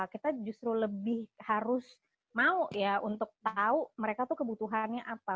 kita justru lebih harus mau ya untuk tahu mereka tuh kebutuhannya apa